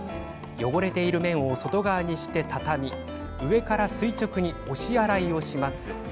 汚れている面を外側にして畳み上から垂直に押し洗いをします。